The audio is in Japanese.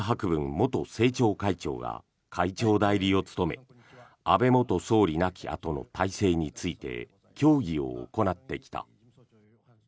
元政調会長が会長代理を務め安倍元総理亡きあとの体制について協議を行ってきた。